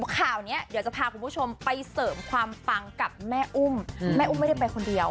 ข่าวนี้เดี๋ยวจะพาคุณผู้ชมไปเสริมความปังกับแม่อุ้มแม่อุ้มไม่ได้ไปคนเดียว